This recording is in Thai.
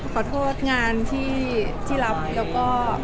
ขอโทษงานที่รับแล้วก็